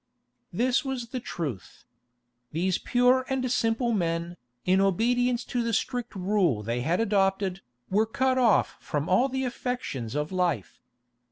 This was the truth. These pure and simple men, in obedience to the strict rule they had adopted, were cut off from all the affections of life.